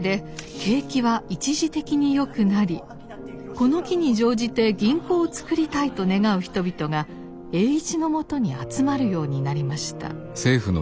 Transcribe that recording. この機に乗じて銀行を作りたいと願う人々が栄一のもとに集まるようになりました。